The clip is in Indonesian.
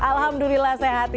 alhamdulillah sehat ya